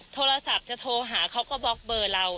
โทรศัพท์จะโทรหาเขาก็บล็อกเบอร์เรา